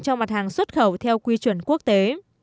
cho mặt hàng xuất khẩu theo quy chuẩn quốc tế